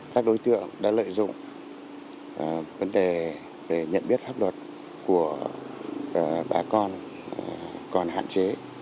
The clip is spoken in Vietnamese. các đối tượng đã lợi dụng vấn đề nhận biết pháp luật của bà con con hạn chế